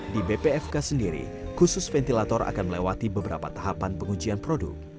di bpfk sendiri khusus ventilator akan melewati beberapa tahapan pengujian produk